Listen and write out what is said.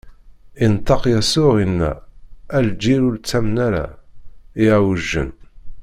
Inṭeq Yasuɛ, inna: A lǧil ur nettamen ara, iɛewjen!